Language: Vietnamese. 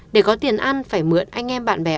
để có tiền ăn phải mượn anh em bạn bè